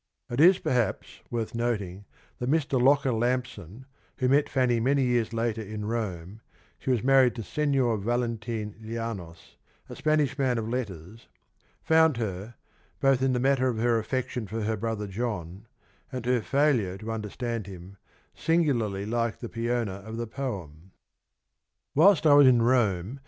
It is, perhaps, worth noting that Mr. Locker Funny Keats. Lampson, who met Fanny many years later in Rome (she was married to Sefior Valentine Llanos, a Spanish man of letters), found her, both in the matter of her affection for her brother John, and her failure to understand him, singularly like the Peona of the poem : 1 Letter to George and Georgiana Keats, October, 1818. Mrs.